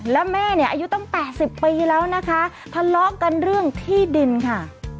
แล้วแม่เนี่ยอายุตั้ง๘๐ปีแล้วนะคะทะเลาะกันเรื่องที่ดินค่ะ